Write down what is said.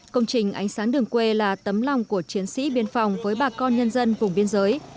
công trình ánh sáng đường quê là tấm lòng của chiến sĩ biên phòng với bà con nhân dân vùng biên giới